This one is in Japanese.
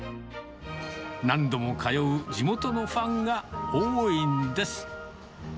何度も通う地元のファンが多いんです。